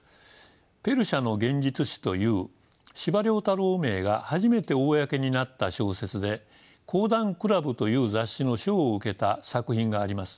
「ペルシャの幻術師」という司馬太郎名が初めて公になった小説で「講談倶楽部」という雑誌の賞を受けた作品があります。